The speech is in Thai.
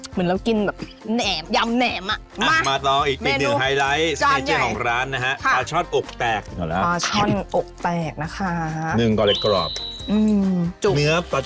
เหมือนเรากินแบบแหนมยำแหนมอ่ะ